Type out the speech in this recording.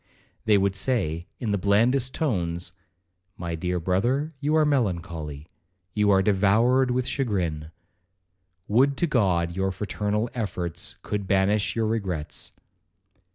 They would say, in the blandest tones, 'My dear brother, you are melancholy,—you are devoured with chagrin,—would to God our fraternal efforts could banish your regrets.